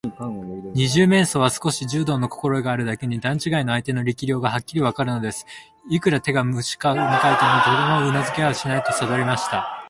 二十面相は少し柔道のこころえがあるだけに、段ちがいの相手の力量がはっきりわかるのです。いくら手むかいしてみても、とてもかなうはずはないとさとりました。